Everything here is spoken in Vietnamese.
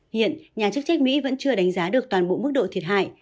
hiện nhà chức trách mỹ vẫn chưa đánh giá được toàn bộ mức độ thiệt hại